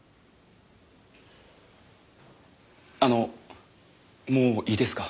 あのもういいですか？